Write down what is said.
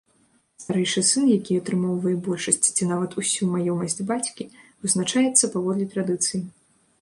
Старэйшы сын, які атрымоўвае большасць ці нават усю маёмасць бацькі, вызначаецца паводле традыцыі.